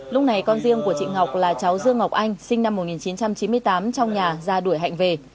lúc này con riêng của chị ngọc là cháu dương ngọc anh sinh năm một nghìn chín trăm chín mươi tám trong nhà ra đuổi hạnh về